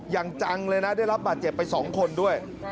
อย่างจังเลยนะได้รับบาดเจ็บไป๒คนด้วย